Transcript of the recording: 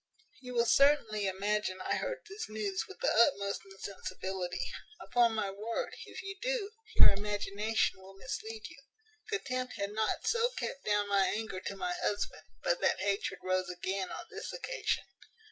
"You will certainly imagine I heard this news with the utmost insensibility Upon my word, if you do, your imagination will mislead you. Contempt had not so kept down my anger to my husband, but that hatred rose again on this occasion.